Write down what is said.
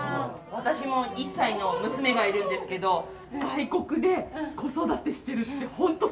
私も１歳の娘がいるんですけど外国で子育てしてるって本当